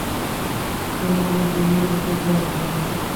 কেন আমাকে নিয়ে এতটা ভাবো?